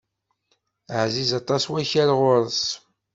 Ɛziz aṭas wakal ɣur-s.